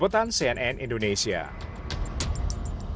berita terkini mengenai cuaca ekstrem dua ribu dua puluh satu